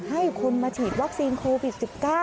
ให้คนมาฉีดวัคซีนโควิด๑๙